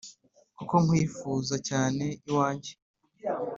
Kuko nkwifuza cyane iwanjye